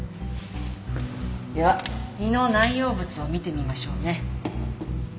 では胃の内容物を見てみましょうね。